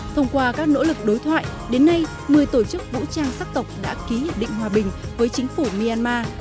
thông qua các nỗ lực đối thoại đến nay một mươi tổ chức vũ trang sắc tộc đã ký hiệp định hòa bình với chính phủ myanmar